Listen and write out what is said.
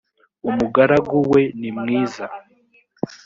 umugaragu we nimwiza